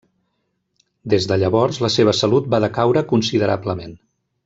Des de llavors la seva salut va decaure considerablement.